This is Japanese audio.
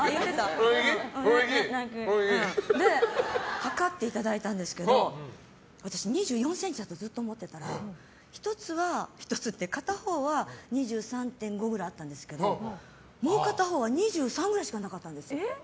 で、測っていただいたんですけど私２４ｃｍだとずっと思ってたら片方は２３．５ぐらいあったんですがもう片方は２３くらいしかなかったんです。